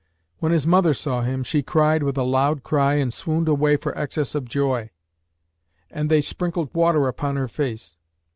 When his mother saw him, she cried with a loud cry and swooned away for excess of joy, and they sprinkled water upon her face.